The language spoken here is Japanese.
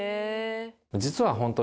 実はホント。